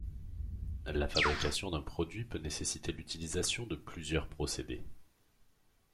La fabrication d'un produit peut nécessiter l'utilisation de plusieurs procédés.